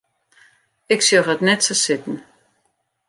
Ik sjoch it net sa sitten.